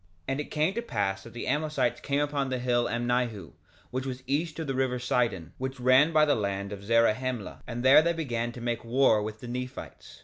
2:15 And it came to pass that the Amlicites came upon the hill Amnihu, which was east of the river Sidon, which ran by the land of Zarahemla, and there they began to make war with the Nephites.